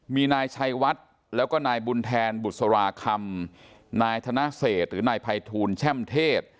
มีนายชัยวัดแล้วก็นายบุญแทนบุษราคำนายธนเศษหรือนายภัยทูลแช่มเทศ